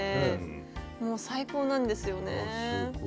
もう最高なんですよね。